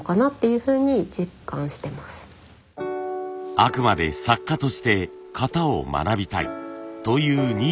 あくまで作家として型を学びたいという二位関さん。